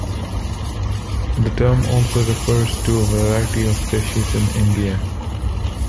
The term also refers to a variety of dishes in India.